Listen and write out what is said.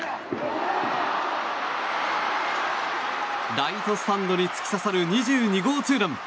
ライトスタンドに突き刺さる２２号ツーラン。